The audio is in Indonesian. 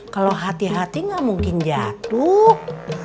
kalau hati hati nggak mungkin jatuh